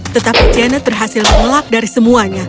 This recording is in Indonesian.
tetapi janet berhasil menolak dari semuanya